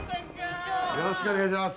よろしくお願いします。